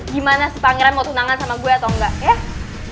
gimana si pangeran mau tunangan sama gue atau enggak ya